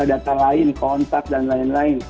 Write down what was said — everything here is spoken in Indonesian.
data lain kontak dan lain lain